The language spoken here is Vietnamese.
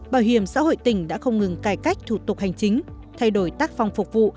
bảo hiểm xã hội tỉnh đã không ngừng cải cách thủ tục hành chính thay đổi tác phong phục vụ